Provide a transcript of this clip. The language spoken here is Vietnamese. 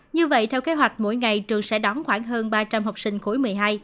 như vậy theo kế hoạch mỗi ngày trường sẽ đón khoảng hơn ba trăm linh học sinh khối một mươi hai